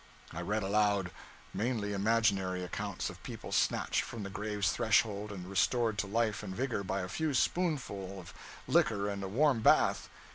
I read aloud: mainly imaginary accounts of people snatched from the grave's threshold and restored to life and vigor by a few spoonsful of liquor and a warm bath.